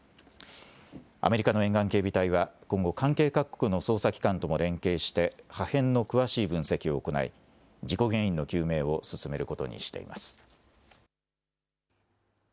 アメリカの沿岸警備隊は今後関係各国の捜査機関とも連携して破片の詳しい分析を行い事故原因の究明を進めることにしています。